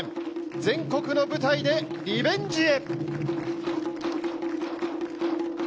全国の舞台でリベンジへ。